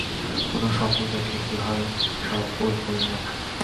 কোন স্বপ্ন দেখলে কী হয় সব ঐ বইয়ে লেখা।